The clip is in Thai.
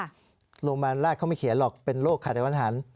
โรงพยาบาลศรีราชเขาไม่เขียนหรอกเป็นโรคขัดต่อการรับอาหาร